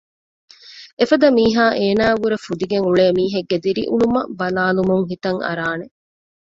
އެފަދަ މީހާ އޭނާއަށްވުރެ ފުދިގެން އުޅޭ މީހެއްގެ ދިރިއުޅުމަށް ބަލާލުމުން ހިތަށް އަރާނެ